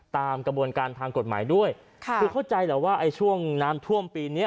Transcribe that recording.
ตามกระบวนการทางกฎหมายด้วยค่ะคือเข้าใจแหละว่าไอ้ช่วงน้ำท่วมปีนี้